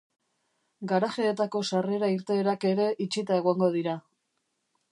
Garajeetako sarrera-irteerak ere itxita egongo dira.